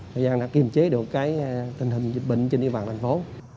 thời gian đã kiềm chế được tình hình dịch bệnh trên địa bàn thành phố